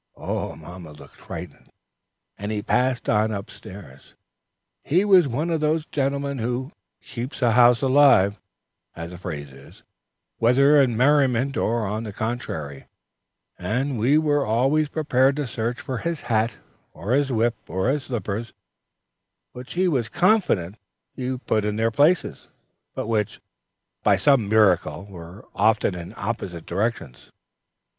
Mamma looked frightened, and he passed on up stairs. He was one of those gentlemen who keep a house alive, as the phrase is, whether in merriment or the contrary, and we were always prepared to search for his hat, or whip, or slippers, which he was confident he put in their places, but which, by some miracle, were often in opposite directions.